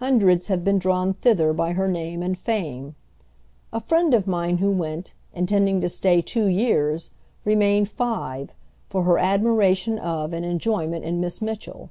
Hundreds have been drawn thither by her name and fame. A friend of mine who went, intending to stay two years, remained five, for her admiration of and enjoyment in Miss Mitchell.